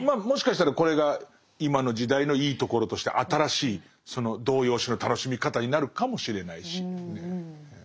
もしかしたらこれが今の時代のいいところとして新しいその童謡詩の楽しみ方になるかもしれないしね。